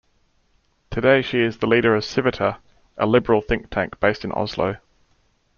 Today she is the leader of Civita, a liberal think tank based in Oslo.